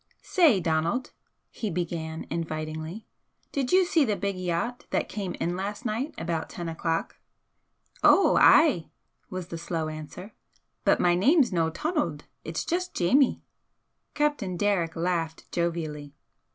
"Say, Donald," he began, invitingly "did you see the big yacht that came in last night about ten o'clock?" "Ou ay!" was the slow answer "But my name's no Tonald, it's just Jamie." Captain Derrick laughed jovially.